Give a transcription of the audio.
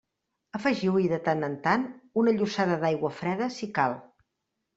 Afegiu-hi de tant en tant una llossada d'aigua freda si cal.